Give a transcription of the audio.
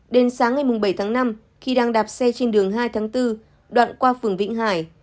đến sáng ngày bảy tháng năm khi đang đạp xe trên đường hai tháng bốn đoạn qua phường vĩnh hải